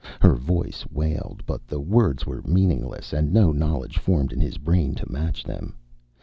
Her voice wailed, but the words were meaningless and no knowledge formed in his brain to match them.